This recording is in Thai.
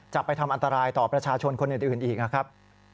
จะไปทำอันตรายต่อประชาชนคนอื่นอีกนะครับ